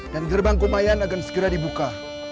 gerbang kumayan akan segera dibuka